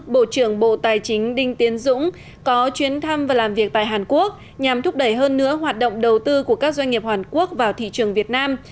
bộ trưởng bộ tài chính đinh tiến dũng có chuyến thăm và làm việc tại hàn quốc nhằm thúc đẩy hơn nữa hoạt động đầu tư của các doanh nghiệp hoàn quốc vào thị trường việt nam